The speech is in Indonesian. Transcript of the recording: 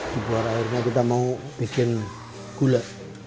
di luar airnya kita mau bikin gula